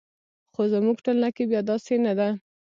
خو زموږ ټولنه کې بیا داسې نه ده.